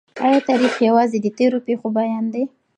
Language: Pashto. آیا تاریخ یوازي د تېرو پېښو بیان دی؟